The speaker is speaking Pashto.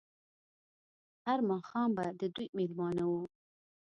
هر ماښام به د دوی مېلمانه وو.